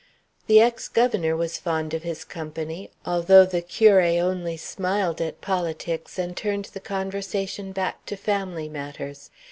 The ex governor was fond of his company, although the curé only smiled at politics and turned the conversation back to family matters.